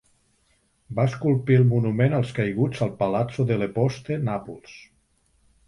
Va esculpir el monument als caiguts al Palazzo delle Poste, Nàpols.